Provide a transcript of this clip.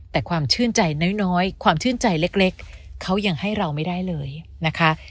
แต่ความชื่นใจน้อยความชื่นใจเล็กเขายังให้เราไม่ได้เลยนะคะ